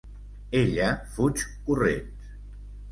Ella fuig corrents.